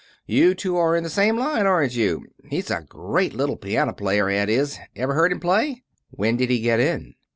You two are in the same line, aren't you? He's a great little piano player, Ed is. Ever hear him play?" "When did he get in?"